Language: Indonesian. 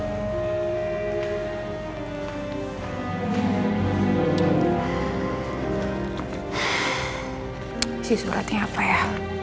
isi suratnya apa ya